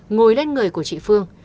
ngồi lên người của chị phương